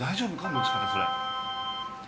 持ち方それ。